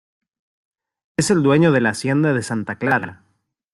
Es el dueño de la hacienda de santa clara.